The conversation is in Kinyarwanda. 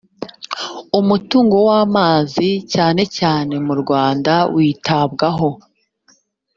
umutungo w amazi cyane cyane mu rwanda witabwaho